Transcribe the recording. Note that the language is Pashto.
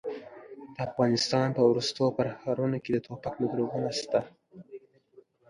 د افغانستان په ورستو پرهرونو کې د ټوپک میکروبونه شته.